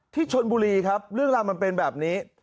ที่ชนบุรีครับเรื่องราวมันเป็นแบบนี้